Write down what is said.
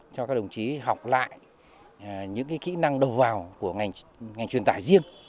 cho các đồng chí học lại những kỹ năng đầu vào của ngành truyền tải riêng